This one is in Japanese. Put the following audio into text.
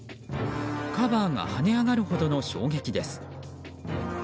カバーが跳ね上がるほどの衝撃です。